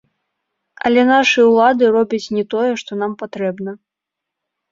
Але нашы ўлады робяць не тое, што нам патрэбна.